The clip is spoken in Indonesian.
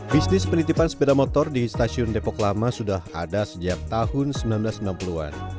bisnis penitipan sepeda motor di stasiun depok lama sudah ada sejak tahun seribu sembilan ratus sembilan puluh an